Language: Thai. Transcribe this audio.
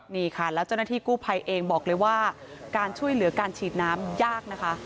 นี่ค่ะแล้วเจ้าหน้าที่กู้ภัยเองบอกเลยว่าการช่วยเหลือการฉีดน้ำยากนะคะ